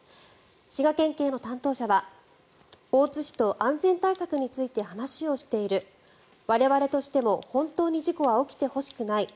滋賀県警の担当者は大津市と安全対策について話をしている我々としても本当に事故は起きてほしくない